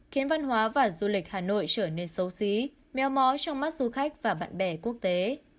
khiến văn hóa và du lịch hà nội trở nên xấu xí meo mó trong mắt du khách và bạn bè quốc tế